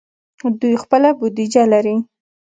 دوی خپله بودیجه لري.